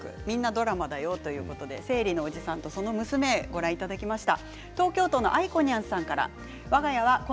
ドラマだよ」ということで「生理のおじさんとその娘」をご覧いただきました。